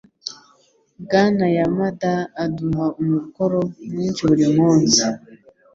Bwana Yamada aduha umukoro mwinshi buri munsi.